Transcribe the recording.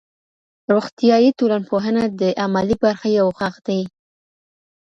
روغتیایی ټولنپوهنه د عملي برخې یو ښاخ دی.